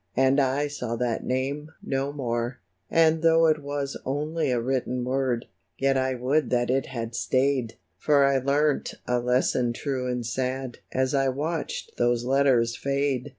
And I saw that name no more ! And though it was only a written word. Yet I would that it had stay'd, For I learnt a lesson true and sad As I watched those letters fade